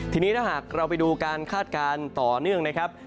ทีนี้ถ้าหากเราไปดูการคาดการณ์ต่อเนื่องนะครับ